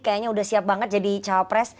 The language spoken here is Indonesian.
kayaknya udah siap banget jadi cawapres